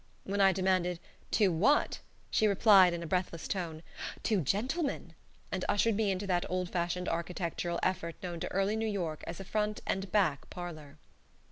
When I demanded, "Two what?" she replied, in a breathless tone, "Two gentlemen," and ushered me into that old fashioned architectural effort known to early New York as a front and back parlor.